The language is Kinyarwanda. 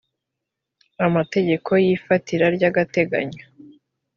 amategeko y ifatira ry agateganyo